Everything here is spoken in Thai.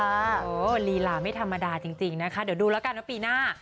โอ้โหลีลาไม่ธรรมดาจริงนะคะเดี๋ยวดูแล้วกันว่าปีหน้า